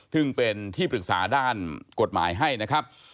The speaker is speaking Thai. ซึ่งเป็นที่ปรึกษาด้านกฎหมายให้นะครับ